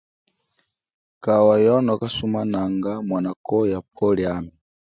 Kawa yono kasumananga mwanako ya pwo liami.